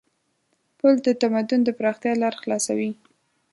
پُل د تمدن د پراختیا لار خلاصوي.